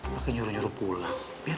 makin nyuruh nyuruhnya gak ada apa apa